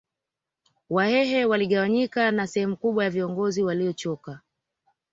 Wahehe waligawanyika na sehemu kubwa ya viongozi waliochoka